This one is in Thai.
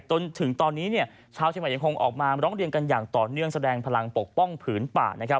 จนถึงตอนนี้ชาวเชียงใหม่ยังคงออกมาร้องเรียนกันอย่างต่อเนื่องแสดงพลังปกป้องผืนป่านะครับ